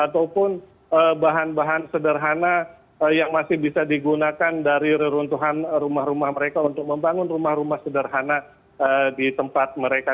ataupun bahan bahan sederhana yang masih bisa digunakan dari reruntuhan rumah rumah mereka untuk membangun rumah rumah sederhana di tempat mereka